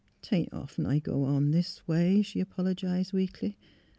'' 'Tain't often I go on this way," she apolo gised, weakly.